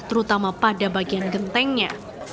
terutama pada bagian gentengnya